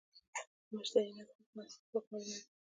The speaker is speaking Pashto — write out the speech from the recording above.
د مشتری نظر د محصول ځواک معلوموي.